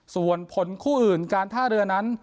ส่วนผลคู่อื่นการท่าเรือนั้น